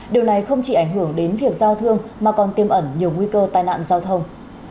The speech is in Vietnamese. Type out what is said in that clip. điều này không chỉ ảnh hưởng đến việc giao thương mà còn tiêm ẩn nhiều nguy cơ tai nạn giao thông